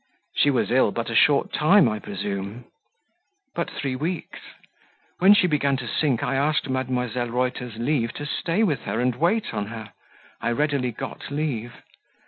"She was ill but a short time, I presume?" "But three weeks. When she began to sink I asked Mdlle. Reuter's leave to stay with her and wait on her; I readily got leave."